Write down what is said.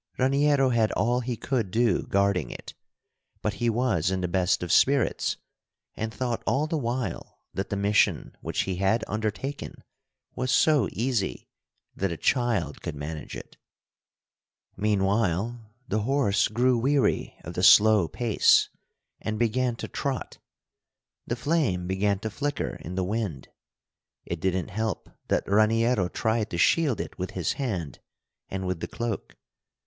Raniero had all he could do guarding it, but he was in the best of spirits and thought all the while that the mission which he had undertaken was so easy that a child could manage it. Meanwhile, the horse grew weary of the slow pace, and began to trot. The flame began to flicker in the wind. It didn't help that Raniero tried to shield it with his hand and with the cloak.